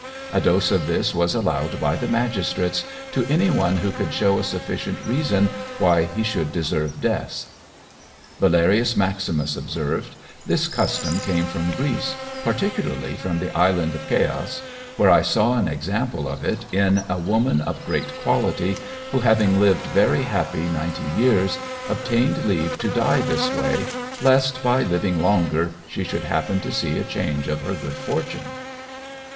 A dose of this was allowed by the magistrates "to any one who could show a sufficient reason why he should deserve death." Valerius Maximus observes, "This custom came from Greece, particularly from the Island of Ceos, where I saw an example of it in a woman of great quality who, having lived very happy ninety years, obtained leave to die this way, lest, by living longer, she should happen to see a change of her good fortune."